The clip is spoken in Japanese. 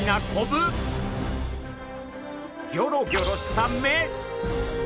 ギョロギョロした目！